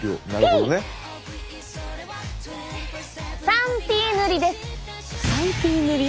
３Ｔ塗りです！